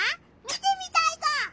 見てみたいぞ！